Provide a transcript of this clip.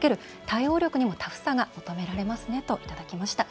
対応力にもタフさが求められますね」といただきました。